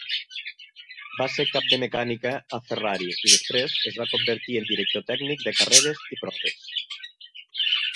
Va ser cap de mecànica a Ferrari i després es va convertir en director tècnic de carreres i proves.